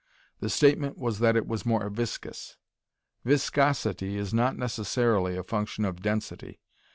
The statement was that it was more viscous. Viscosity is not necessarily a function of density.